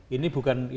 ini bukan informasi